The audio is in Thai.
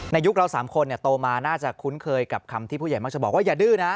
ยุคเรา๓คนโตมาน่าจะคุ้นเคยกับคำที่ผู้ใหญ่มักจะบอกว่าอย่าดื้อนะ